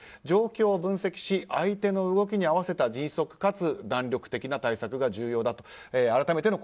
状況を分析し、相手の動きに合わせた迅速かつ弾力的な対策が重要だと。